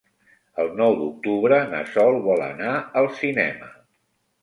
El nou d'octubre na Sol vol anar al cinema.